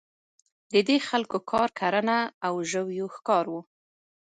د دې خلکو کار کرنه او ژویو ښکار وو.